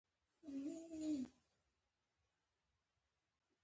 يوې نرسې د درملو يوه نسخه راوړه.